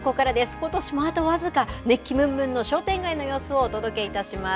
ことしもあと僅か、熱気むんむんの商店街の様子をお届けいたします。